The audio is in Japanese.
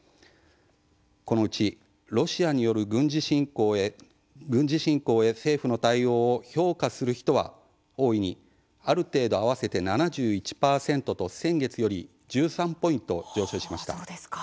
このうちロシアによる軍事侵攻へ政府の対応を「評価する」人は「大いに」「ある程度」合わせて７１％と、先月より１３ポイント上昇しました。